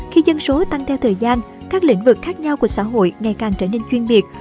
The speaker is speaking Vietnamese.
khi dân số tăng theo thời gian các lĩnh vực khác nhau của xã hội ngày càng trở nên chuyên biệt